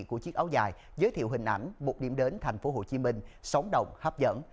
của chiếc áo dài giới thiệu hình ảnh một điểm đến tp hcm sóng động hấp dẫn